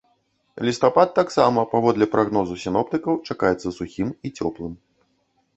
Лістапад таксама, паводле прагнозу сіноптыкаў, чакаецца сухім і цёплым.